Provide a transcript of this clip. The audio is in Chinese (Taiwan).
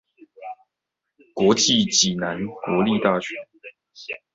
國立暨南國際大學